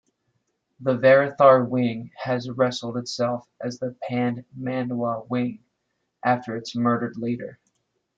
The "Varathar wing" has restyled itself as the "Padmanaba wing", after its murdered leader.